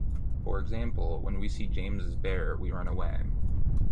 For example, when we see James's bear, we run away.